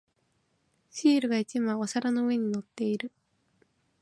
シールが一枚お皿の上に乗っている。